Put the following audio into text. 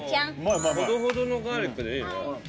ほどほどのガーリックでいいね。